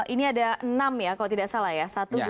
ini ada enam ya kalau tidak salah ya satu dua tiga empat lima enam